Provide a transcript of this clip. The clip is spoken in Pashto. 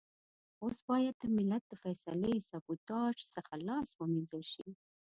اوس بايد د ملت د فيصلې سبوتاژ څخه لاس و مينځل شي.